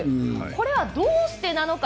これはどうしてなのか。